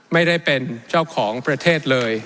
ไม่ได้เป็นเจ้าของประเทศเลย